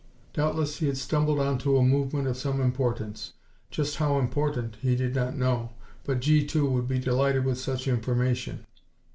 Doubtless he had stumbled on to a movement of some importance. Just how important he could not know, but G 2 would be delighted with such information.